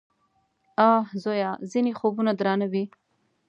_اه ! زويه! ځينې خوبونه درانه وي.